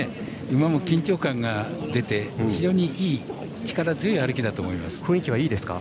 馬も緊張感が出て非常にいい力強い雰囲気はいいですか。